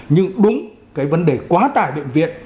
nhưng đúng cái vấn đề quá tải bệnh viện